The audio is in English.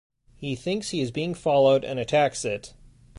He thinks he is being followed and attacks it.